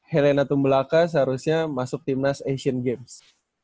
helena tumbelaka seharusnya masuk timnas asian games